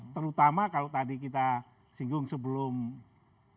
terutama kalau tadi kita singgung sebelum kita tampil di sini